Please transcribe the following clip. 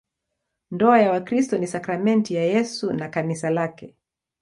Ndoa ya Wakristo ni sakramenti ya Yesu na Kanisa lake.